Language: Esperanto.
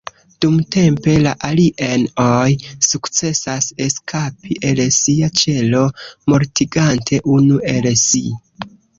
Dumtempe, la "alien-oj" sukcesas eskapi el sia ĉelo, mortigante unu el si.